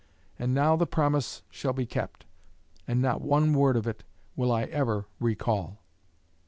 And now the promise shall be kept, and not one word of it will I ever recall."